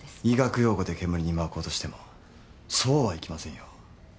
医学用語で煙に巻こうとしてもそうはいきませんよ。